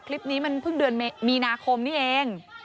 คลิปนี้มันเพิ่งเดือนมีนาคมนี่เอง